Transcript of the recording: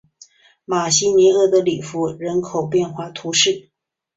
马西尼厄德里夫人口变化图示